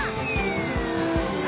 あ！